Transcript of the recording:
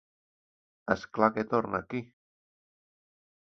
És clar que torna aquí.